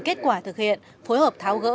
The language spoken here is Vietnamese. kết quả thực hiện phối hợp tháo gỡ